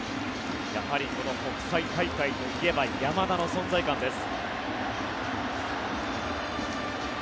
やはりこの国際大会といえば山田の存在感です。